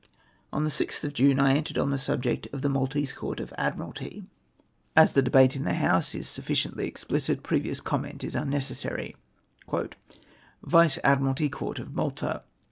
On the 6th of June I entered on the subject of the Maltese Court of Admiralty. As the debate in the House is sufficiently explicit, previous comment is un necessary. " Vice Admiralti/ Court of Malta.